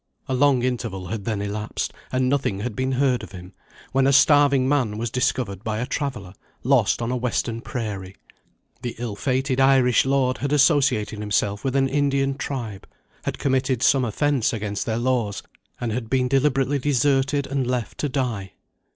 A long interval had then elapsed, and nothing had been heard of him, when a starving man was discovered by a traveller, lost on a Western prairie. The ill fated Irish lord had associated himself with an Indian tribe had committed some offence against their laws and had been deliberately deserted and left to die.